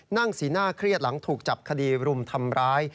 สีหน้าเครียดหลังถูกจับคดีรุมทำร้าย